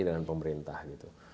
dengan pemerintah gitu